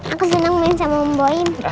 aku seneng main sama om boim